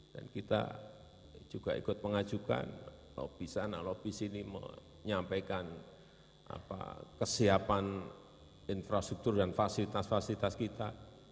dan kita juga ikut mengajukan lobby sana lobby sini menyampaikan kesiapan infrastruktur dan fasilitas fasilitas kita